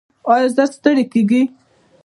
ایا ژر ستړي کیږئ؟